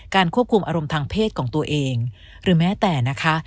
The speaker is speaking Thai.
ควบคุมอารมณ์ทางเพศของตัวเองหรือแม้แต่นะคะ